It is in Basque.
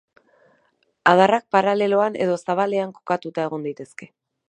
Adarrak paraleloan edo zabalean kokatuta egon daitezke.